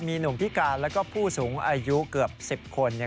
มีหนุ่มพิการแล้วก็ผู้สูงอายุเกือบ๑๐คน